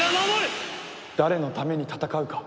誰のために戦うか。